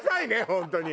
本当に。